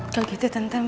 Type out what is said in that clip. kalau gitu tenten